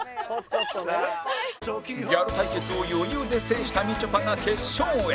ギャル対決を余裕で制したみちょぱが決勝へ